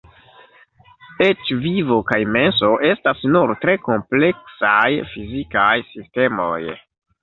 Eĉ vivo kaj menso estas nur tre kompleksaj fizikaj sistemoj.